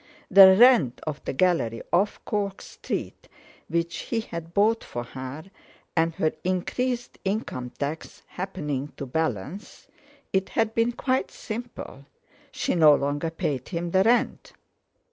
The rent of the Gallery off Cork Street which he had bought for her and her increased income tax happening to balance, it had been quite simple—she no longer paid him the rent.